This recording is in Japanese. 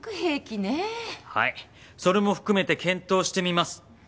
はいそれも含めて検討してみます。